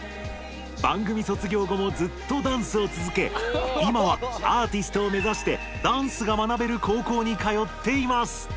番組卒業後もずっとダンスをつづけいまはアーティストを目指してダンスが学べる高校にかよっています。